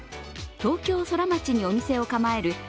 東京ソラマチにお店を構える＃